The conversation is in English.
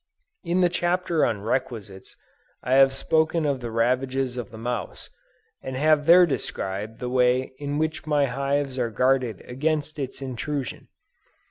In the chapter on Requisites, I have spoken of the ravages of the mouse, and have there described the way in which my hives are guarded against its intrusion.